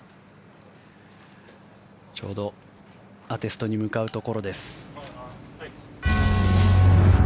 ちょうどアテストに向かうところです。